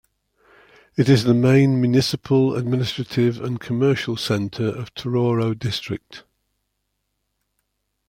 It is the main municipal, administrative, and commercial center of Tororo District.